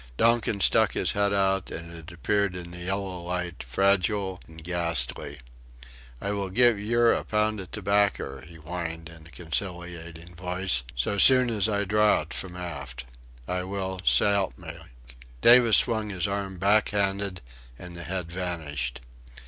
Donkin stuck his head out, and it appeared in the yellow light, fragile and ghastly. "I will giv' yer a pound of tobaccer," he whined in a conciliating voice, "so soon as I draw it from aft. I will s'elp me..." Davis swung his arm backhanded and the head vanished.